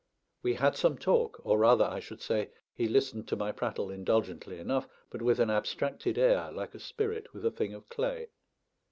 We had some talk, or rather I should say he listened to my prattle indulgently enough, but with an abstracted air, like a spirit with a thing of clay.